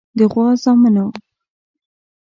د غوا زامنو.